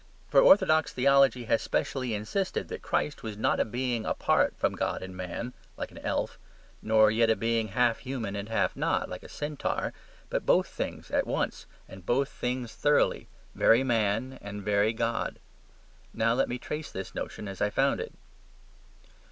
For orthodox theology has specially insisted that Christ was not a being apart from God and man, like an elf, nor yet a being half human and half not, like a centaur, but both things at once and both things thoroughly, very man and very God. Now let me trace this notion as I found it.